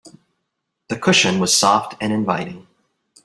The cushion was soft and inviting.